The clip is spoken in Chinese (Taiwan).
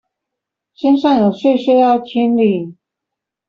身上有屑屑要清理